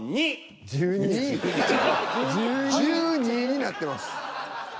１２になってます。